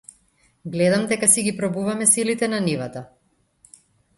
Гледам дека си ги пробуваме силите на нивата?